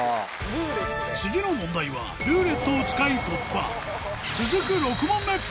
次の問題は「ルーレット」を使い突破続く